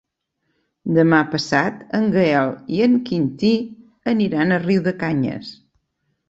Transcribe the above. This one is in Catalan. Demà passat en Gaël i en Quintí aniran a Riudecanyes.